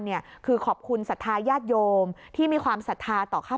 เนี่ยคือขอบคุณศรัทธาญาติโยมที่มีความศรัทธาต่อข้า